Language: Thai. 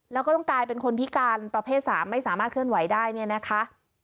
แล้วก็ต้องกลายเป็นคนพิการประเภท๓ไม่สามารถเคลื่อนไหวได้เนี่ยนะคะ